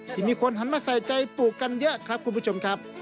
ที่มีคนหันมาใส่ใจปลูกกันเยอะครับคุณผู้ชมครับ